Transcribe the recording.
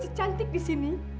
si cantik di sini